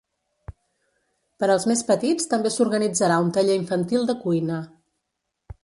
Per als més petits també s’organitzarà un taller infantil de cuina.